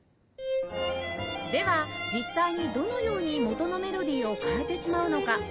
では実際にどのように元のメロディーを変えてしまうのか？